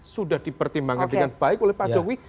sudah dipertimbangkan dengan baik oleh pak jokowi